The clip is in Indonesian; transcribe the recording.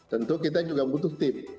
tentu kita juga butuh tip